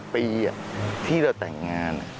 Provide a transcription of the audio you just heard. ปีที่เราแต่งงาน